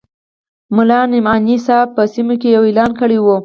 ملا نعماني صاحب په سیمو کې یو اعلان کړی وو.